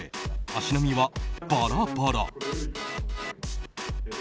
足並みはバラバラ。